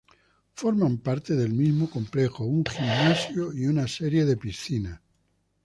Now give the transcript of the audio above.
Forman parte del mismo complejo un gimnasio y una serie de piscinas.